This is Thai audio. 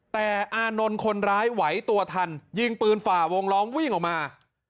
แต่อานนท์คนร้ายไหวตัวทันยิงปืนฝ่าวงล้อมวิ่งออกมา